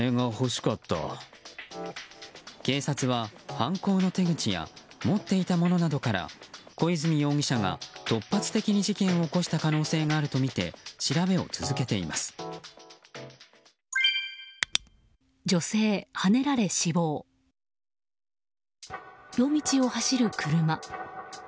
警察は犯行の手口や持っていたものなどから小泉容疑者が突発的に事件を起こした可能性があるとみて夜道を走る車。